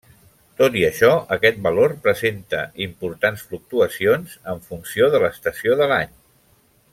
Tot i això, aquest valor presenta importants fluctuacions en funció de l'estació de l'any.